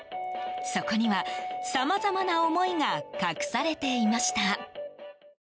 そこには、さまざまな思いが隠されていました。